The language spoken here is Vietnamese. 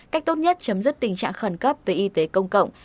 cách tốt nhất chấm dứt tình trạng khẩn cấp về y tế công cộng